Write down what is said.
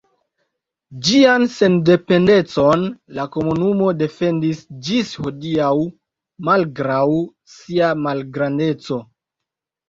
Ĝian sendependecon la komunumo defendis ĝis hodiaŭ malgraŭ sia malgrandeco.